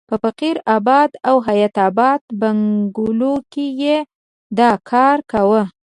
په فقیر اباد او حیات اباد بنګلو کې یې دا کار کاوه.